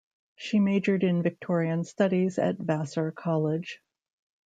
She majored in Victorian Studies at Vassar College.